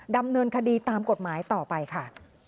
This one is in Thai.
ดำเนินคดีตามกฎหมายต่อไปค่ะ